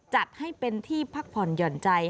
จัดให้เป็นที่พักผ่อนหย่อนใจ